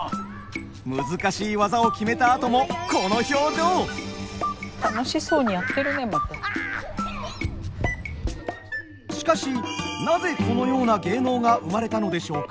難しい技を決めたあともしかしなぜこのような芸能が生まれたのでしょうか？